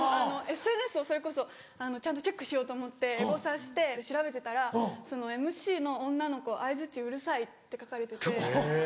ＳＮＳをそれこそちゃんとチェックしようと思ってエゴサして調べてたら「ＭＣの女の子相づちうるさい」って書かれてて。